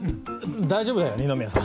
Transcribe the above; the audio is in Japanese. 大丈夫だよ二宮さん。